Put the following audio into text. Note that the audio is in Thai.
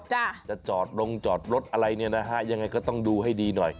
จะจอดลงจอดรถอะไรเนี่ยนะฮะยังไงก็ต้องดูให้ดีหน่อย